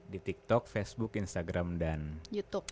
di tiktok facebook instagram dan youtube